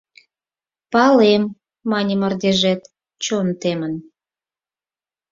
— «Палем, Мане мардежет, чон темын.